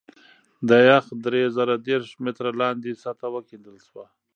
د یخ درې زره دېرش متره لاندې سطحه وکیندل شوه